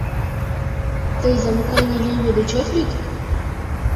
Тый замыканий лийме деч от лӱд?